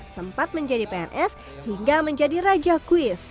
sempat menjadi pns hingga menjadi raja kuis